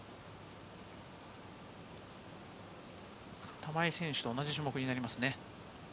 玉井選手と同じ種目になりますね。